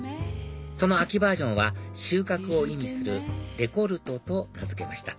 その秋バージョンは収穫を意味するレコルトと名付けました